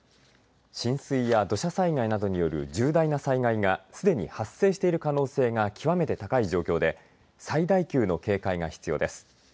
浸水や土砂災害などによる重大な災害がすでに発生している可能性が極めて高い状況で最大級の警戒が必要です。